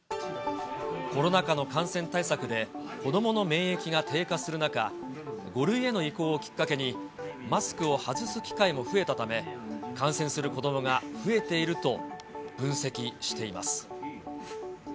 コロナ禍の感染対策で、子どもの免疫が低下する中、５類への移行をきっかけにマスクを外す機会も増えたため、感染する子どもが増えていると分析しています。